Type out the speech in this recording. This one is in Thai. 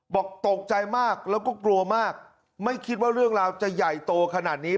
บอกตกใจมากแล้วก็กลัวมากไม่คิดว่าเรื่องราวจะใหญ่โตขนาดนี้